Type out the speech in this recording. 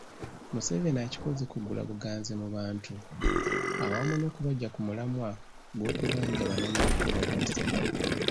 Museveni akikoze kugula buganzi mu bantu awamu n’okubaggya ku mulamwa gw’okubanja bannabyabufuzi abaasibwa.